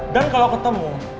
dan kalo ketemu